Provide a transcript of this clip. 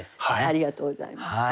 ありがとうございます。